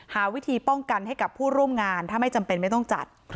หาวิธีป้องกันให้กับผู้ร่วมงานถ้าไม่จำเป็นไม่ต้องจัด